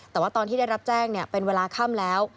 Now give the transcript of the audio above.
แต่ว่าตอนที่ได้รับแจ้งเป็นเวลาค่ำแล้ว